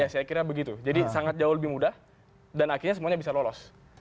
saya kira begitu jadi sangat jauh lebih mudah dan akhirnya semuanya bisa lolos